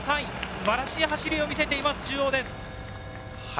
素晴らしい走りを見せています中央です。